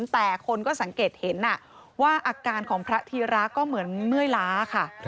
แต่คนก็สังเกตเห็นว่าอาการของพระธีระก็เหมือนเมื่อยล้าค่ะ